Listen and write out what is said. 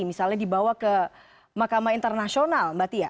misalnya dibawa ke mahkamah internasional mbak tia